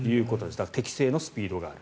だから適正のスピードがある。